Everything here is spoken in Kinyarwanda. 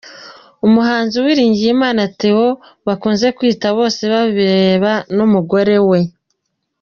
Umuhanzi Uwiringiyima Theo bakunze kwita Bosebabireba n’umugore we.